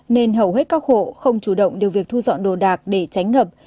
nên hầu hết các hộ không chủ động điều việc thu dọn đồ đạc để tránh ngập